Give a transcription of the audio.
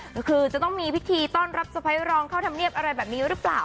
ก็คือจะต้องมีพิธีต้อนรับสะพ้ายรองเข้าธรรมเนียบอะไรแบบนี้หรือเปล่า